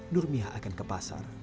nurmiah akan ke pasar